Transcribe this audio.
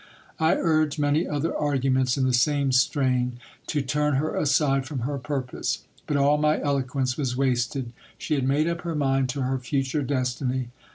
I urged many other arguments in the same strain, to turn her aside from her purpose : but all my eloquence was wasted ; she had made up her mind to her future destiny.